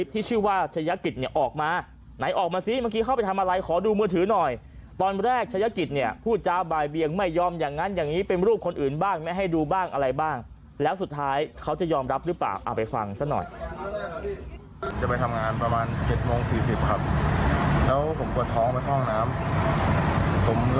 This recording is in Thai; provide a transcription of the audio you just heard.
ทำอะไรขอดูมือถือหน่อยตอนแรกชายกิจเนี่ยผู้จาบายเบียงไม่ยอมอย่างนั้นอย่างนี้เป็นรูปคนอื่นบ้างไม่ให้ดูบ้างอะไรบ้างแล้วสุดท้ายเขาจะยอมรับหรือเปล่าเอาไปฟังสักหน่อย